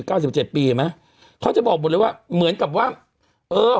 สิบเจ็ดปีเห็นไหมเขาจะบอกหมดเลยว่าเหมือนกับว่าเออ